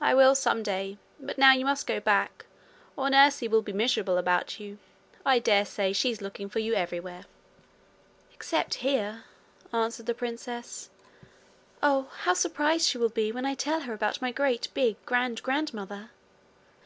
'I will some day, but now you must go back, or nursie will be miserable about you. I dare say she's looking for you everywhere.' 'Except here,' answered the princess. 'Oh, how surprised she will be when I tell her about my great big grand grand mother!'